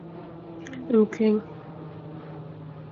Nkueng.